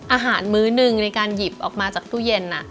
มื้อหนึ่งในการหยิบออกมาจากตู้เย็น